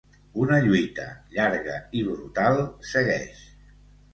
Una lluita llarga i brutal segueix.